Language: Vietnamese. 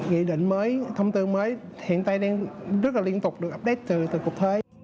ghi định mới thông tin mới hiện tại đang rất là liên tục được update từ cuộc thuế